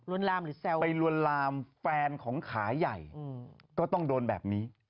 เวลาแฟนของขายใหญ่ก็ต้องโดนแบบนี้